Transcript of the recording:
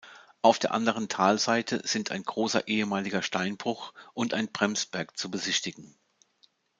Auf der anderen Talseite sind ein großer ehemaliger Steinbruch und ein Bremsberg zu besichtigen.